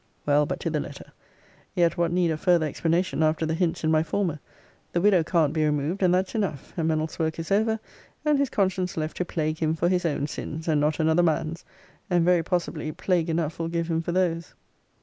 Well, but to the letter Yet what need of further explanation after the hints in my former? The widow can't be removed; and that's enough: and Mennell's work is over; and his conscience left to plague him for his own sins, and not another man's: and, very possibly, plague enough will give him for those.